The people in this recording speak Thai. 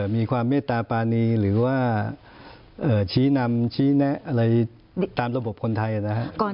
มีความเมตตาปานีหรือว่าชี้นำชี้แนะอะไรตามระบบคนไทยนะครับ